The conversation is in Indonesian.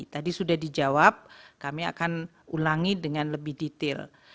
tadi sudah dijawab kami akan ulangi dengan lebih detail